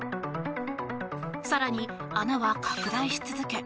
更に、穴は拡大し続け